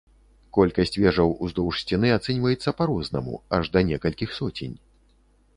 Колькасць вежаў уздоўж сцены ацэньваецца па-рознаму, аж да некалькіх соцень.